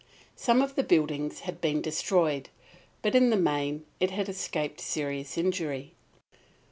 Some of the buildings had been destroyed, but in the main it had escaped serious injury.